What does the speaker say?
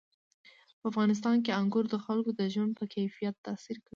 په افغانستان کې انګور د خلکو د ژوند په کیفیت تاثیر کوي.